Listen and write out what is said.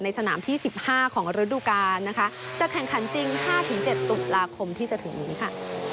ในสนามที่สิบห้าของระดูการนะคะจากแข่งขันจริงห้าถึงเจ็ดตุลาคมที่จะถึงนี้ค่ะ